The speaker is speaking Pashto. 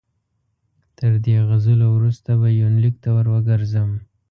تر دې غزلو وروسته به یونلیک ته ور وګرځم.